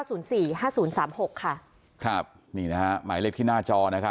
สามารถได้หมายเลขที่หน้าจอ